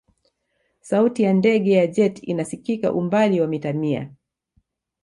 sauti ya ndege ya jet ina sikika umbali wa mita mia